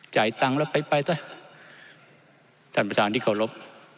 จ่ายตังค์แล้วไปไปท่านประธานที่เคารพ